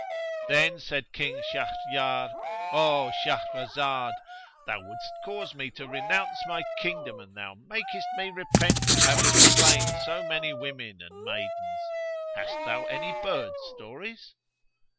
Then said King Shahyrar, "O Shahrazad, thou wouldst cause me to renounce my kingdom and thou makest me repent of having slain so many women and maidens. Hast thou any bird stories?"